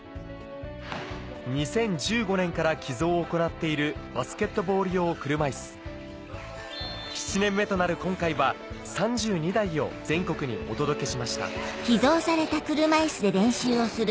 ２０１５年から寄贈を行っているバスケットボール用車いす７年目となる今回は３２台を全国にお届けしました